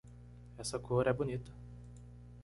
Essa cor é bonita.